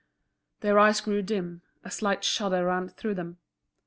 Their eyes grew dim, a slight shudder ran through them.